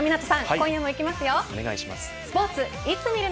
今夜もいきますよ